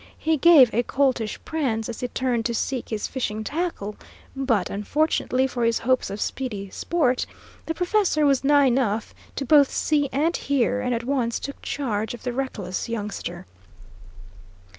He gave a coltish prance, as he turned to seek his fishing tackle; but, unfortunately for his hopes of speedy sport, the professor was nigh enough to both see and hear, and at once took charge of the reckless youngster.